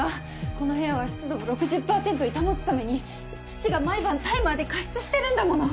この部屋は湿度を６０パーセントに保つために父が毎晩タイマーで加湿してるんだもの。